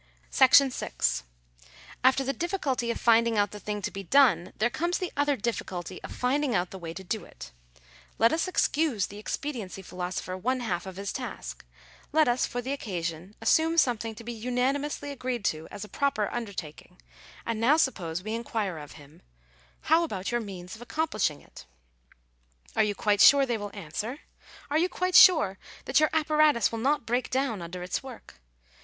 §6. After the difficulty of finding out the thing to be done, there comes the other difficulty of finding out the way to do it. Let us excuse the expediency philosopher one half of his task — let us for the occasion assume something to be unanimously agreed to as a proper undertaking; and now suppose we en quire of him — How about your means of accomplishing it ? Digitized by VjOOQIC 288 THE LIMIT OF STATE DUTY. Are you quite sure they will answer ? Are you quite sure that your apparatus will not break down under its work